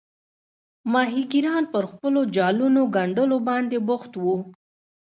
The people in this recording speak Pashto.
ماهیګیران پر خپلو جالونو ګنډلو باندې بوخت وو.